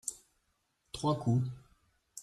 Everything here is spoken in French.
trois coups.